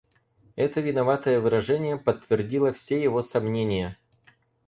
Это виноватое выражение подтвердило все его сомнения.